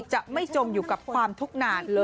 จะไม่จมอยู่กับความทุกข์นาน